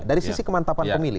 dari sisi kemantapan pemilih